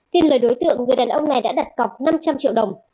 tin lời đối tượng người đàn ông này đã đặt cọc năm trăm linh triệu đồng